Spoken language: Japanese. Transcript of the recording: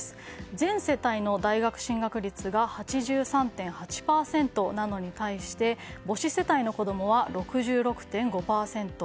全世帯の大学進学率が８３．８％なのに対して母子世帯の子供は６６．５％